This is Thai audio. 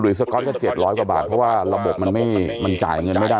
สก๊อตก็๗๐๐กว่าบาทเพราะว่าระบบมันจ่ายเงินไม่ได้